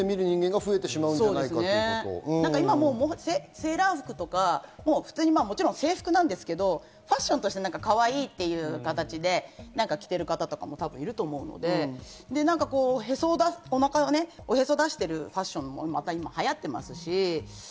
セーラー服とか、もちろん制服なんですがファッションとしてかわいいという形で着ている方もいると思うので、おへそを出しているファッションも今、流行っていますし。